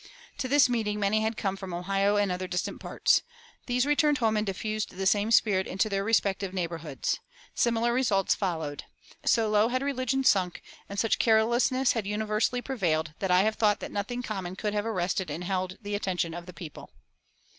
"To this meeting many had come from Ohio and other distant parts. These returned home and diffused the same spirit in their respective neighborhoods. Similar results followed. So low had religion sunk, and such carelessness had universally prevailed, that I have thought that nothing common could have arrested and held the attention of the people."